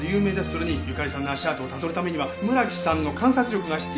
それにゆかりさんの足跡をたどるためには村木さんの観察力が必要なんです。